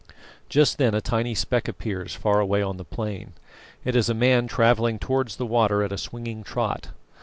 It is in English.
Just then a tiny speck appears far away on the plain. It is a man travelling towards the water at a swinging trot.